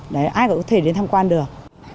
đấy ai cũng có thể đến tham quan được